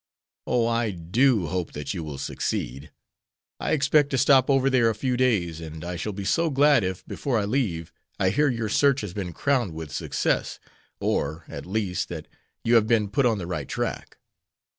"Oh, I do hope that you will succeed. I expect to stop over there a few days, and I shall be so glad if, before I leave, I hear your search has been crowned with success, or, a least, that you have been put on the right track.